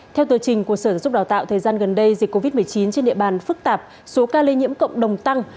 theo tờ trình của sở giúp đào tạo thời gian gần đây dịch covid một mươi chín trên địa bàn phức tạp số ca lây nhiễm cộng đồng tăng